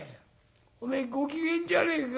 おめえご機嫌じゃねえか」。